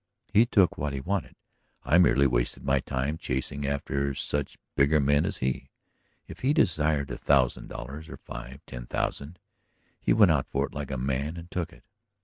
He took what he wanted; I merely wasted my time chasing after such bigger men as he. If he desired a thousand dollars or five, ten thousand, he went out for it like a man and took it.